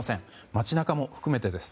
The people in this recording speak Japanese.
街中も含めてです。